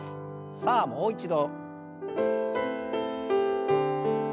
さあもう一度。